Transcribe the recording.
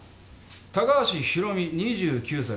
高橋博美２９歳。